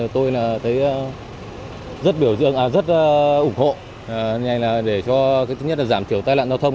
tôi thấy rất ủng hộ để giảm thiểu tai nạn giao thông